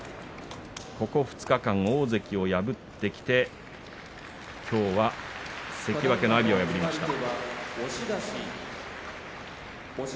ここ２日間、大関を破ってきてきょうは関脇の阿炎を破りました。